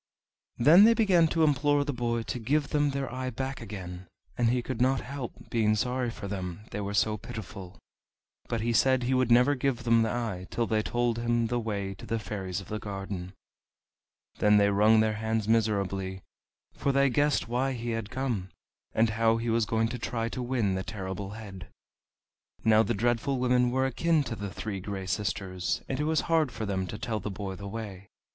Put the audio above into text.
Then they began to implore the boy to give them their eye back again, and he could not help being sorry for them, they were so pitiful. But he said he would never give them the eye till they told him the way to the Fairies of the Garden. Then they wrung their hands miserably, for they guessed why he had come, and how he was going to try to win the Terrible Head. Now the Dreadful Women were akin to the Three Gray Sisters, and it was hard for them to tell the boy the way.